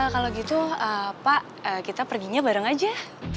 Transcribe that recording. kalau gitu pak kita perginya bareng aja